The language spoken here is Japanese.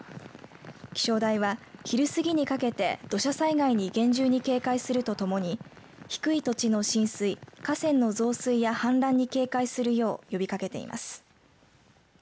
気象台は昼過ぎにかけて土砂災害に厳重に警戒するとともに低い土地の浸水河川の増水や氾濫に警戒するよう呼びかけています。